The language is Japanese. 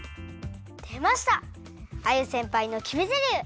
でましたアユせんぱいのきめゼリフ！